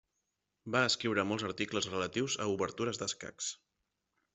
Va escriure molts articles relatius a obertures d'escacs.